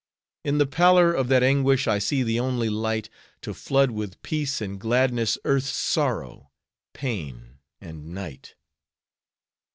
In the pallor of that anguish I see the only light, To flood with peace and gladness Earth's sorrow, pain, and night.